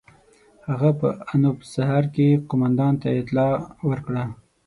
هغه په انوپ سهر کې قوماندان ته اطلاع ورکړه.